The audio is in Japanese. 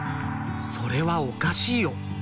それはおかしいよ！